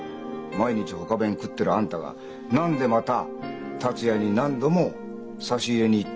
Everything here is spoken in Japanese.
毎日ホカ弁食ってるあんたが何でまた達也に何度も差し入れに行ったりするんだ？